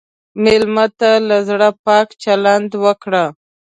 مېلمه ته له زړه پاک چلند وکړه.